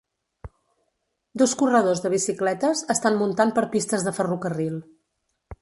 Dos corredors de bicicletes estan muntant per pistes de ferrocarril.